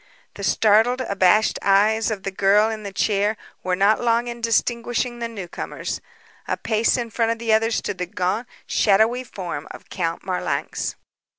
The startled, abashed eyes of the girl in the chair were not long in distinguishing the newcomers. A pace in front of the others stood the gaunt, shadowy form of Count Marlanx.